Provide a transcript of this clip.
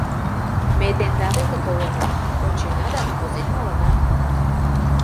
Ме тендан деке толына, ончена да возен налына.